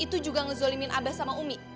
itu juga ngezolimin abah sama umi